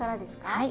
はい。